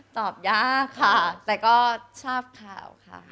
ตอบยากค่ะแต่ก็ทราบข่าวค่ะ